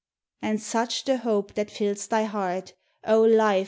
And such the hope that fills thy heart, O Life!